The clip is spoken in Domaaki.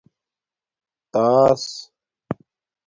تاس